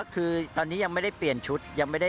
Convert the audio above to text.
อ๋อคือตอนนี้ยังไม่ได้เปลี่ยนชุด